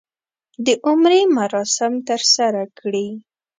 د عمرې مراسم ترسره کړي.